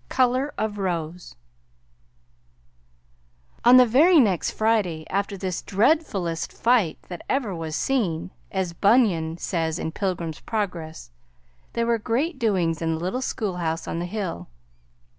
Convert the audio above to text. VIII COLOR OF ROSE On the very next Friday after this "dreadfullest fight that ever was seen," as Bunyan says in Pilgrim's Progress, there were great doings in the little schoolhouse on the hill.